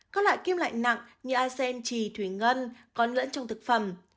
có loại kim lạnh nặng như acen trì thủy ngân có lẫn trong thực phẩm